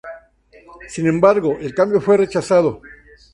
Sin embargo, el cambio fue rechazado.